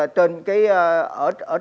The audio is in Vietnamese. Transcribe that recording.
ở trong cái